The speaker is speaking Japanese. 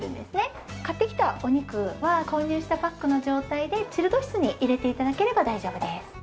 買ってきたお肉は購入したパックの状態でチルド室に入れて頂ければ大丈夫です。